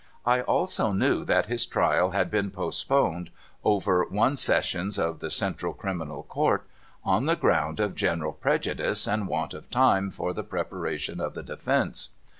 I also knew that his trial had been postponed over one Sessions of the Central MYSTERIOUS BECKONING AT THE DOOR 401 Criminal Court, on the ground of general prejudice and want of time for the preparation of the defence.